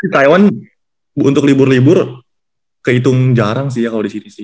taiwan untuk libur libur kehitung jarang sih ya kalau di sini sih